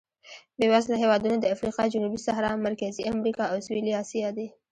بېوزله هېوادونه د افریقا جنوبي صحرا، مرکزي امریکا او سوېلي اسیا دي.